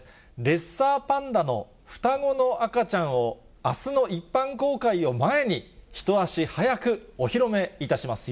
レッサーパンダの双子の赤ちゃんを、あすの一般公開を前に、一足早くお披露目いたします。